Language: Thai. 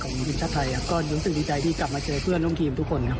ทีมชาติไทยก็รู้สึกดีใจที่กลับมาเจอเพื่อนร่วมทีมทุกคนครับ